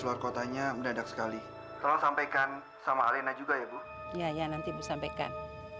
luar kotanya mendadak sekali tolong sampaikan sama alina juga ya bu iya nanti bu sampaikan